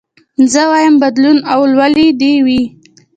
زه وايم بدلون او ولولې دي وي